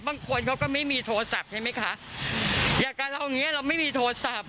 บางคนเขาก็ไม่มีโทรศัพท์ใช่ไหมคะอย่างกับเราอย่างเงี้ยเราไม่มีโทรศัพท์